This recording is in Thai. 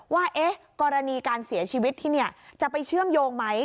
ว่ากรณีการเสียชีวิตที่นี่จะไปเชื่อมโยงไหม